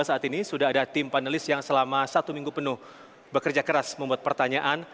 saat ini sudah ada tim panelis yang selama satu minggu penuh bekerja keras membuat pertanyaan